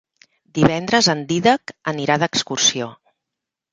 Divendres en Dídac anirà d'excursió.